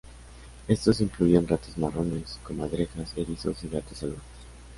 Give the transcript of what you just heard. Estos incluyen ratas marrones, comadrejas, erizos y gatos salvajes.